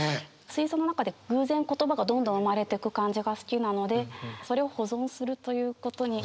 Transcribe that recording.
水槽の中で偶然言葉がどんどん生まれてく感じが好きなのでそれを保存するということに。